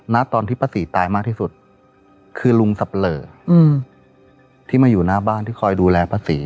ตอนที่ป้าศรีตายมากที่สุดคือลุงสับปะเหลอที่มาอยู่หน้าบ้านที่คอยดูแลป้าศรี